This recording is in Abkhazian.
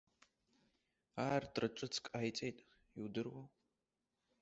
Аартра ҿыцк ҟаиҵеит, удыруоу!